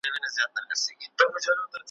دا غزل مي د خپل زړه په وینو سره سوه `